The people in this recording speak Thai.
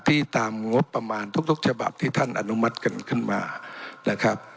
ที่ตามงบประมาณทุกฉบับที่ท่านอนุมัติกันขึ้นมานะครับ